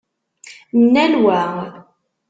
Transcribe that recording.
Nnal wa!